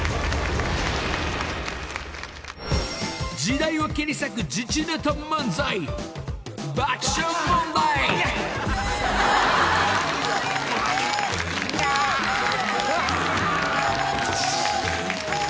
［時代を切り裂く時事ネタ漫才］やーっ。